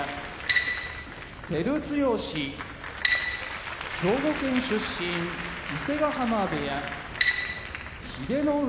照強兵庫県出身伊勢ヶ濱部屋英乃海